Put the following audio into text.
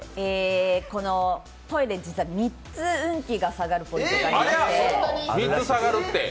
このトイレ、実は３つ運気が下がるポイントがありまして。